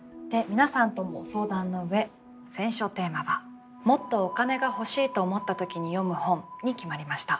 皆さんとも相談の上選書テーマは「もっとお金が欲しいと思った時に読む本」に決まりました。